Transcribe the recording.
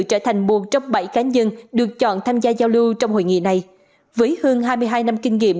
trở thành một trong bảy cá nhân được chọn tham gia giao lưu trong hội nghị này với hơn hai mươi hai năm kinh nghiệm